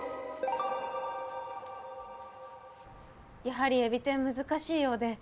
やはりエビ天難しいようで。